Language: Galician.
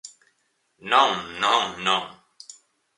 ¡Non, non, non!